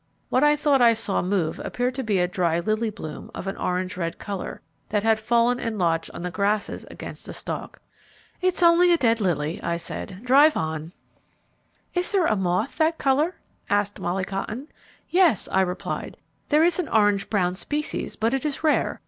What I thought I saw move appeared to be a dry lily bloom of an orange red colour, that had fallen and lodged on the grasses against a stalk. "It's only a dead lily," I said; "drive on." "Is there a moth that colour?" asked Molly Cotton. "Yes," I replied. "There is an orange brown species, but it is rare.